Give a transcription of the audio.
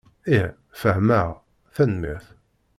Ih, fehmeɣ. Tanemmirt.